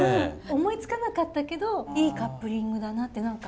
思いつかなかったけどいいカップリングだなって何か。